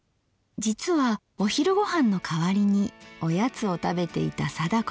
実はお昼ごはんの代わりにおやつを食べていた貞子さん。